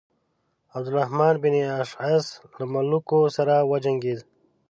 عبدالرحمن بن اشعث له ملوکو سره وجنګېد.